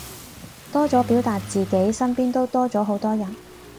多咗表達自己，身邊都多咗好多人